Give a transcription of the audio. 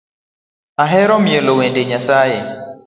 Ahero mielo wende Nyasae